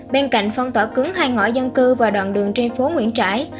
bên cạnh phong tỏa cứng hai ngõ dân cư và đoạn đường trên phố nguyễn trãi